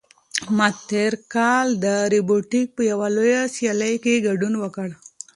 ما تېر کال د روبوټیک په یوه لویه سیالۍ کې ګډون وکړ.